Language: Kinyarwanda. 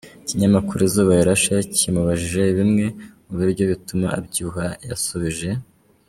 Ikinyamakuru Izuba Rirshe kimubajije bimwe mu biryo bituma abyibuha yasubije.